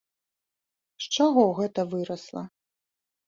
З чаго гэта вырасла?